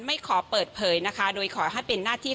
ขอเปิดเผยนะคะโดยขอให้เป็นหน้าที่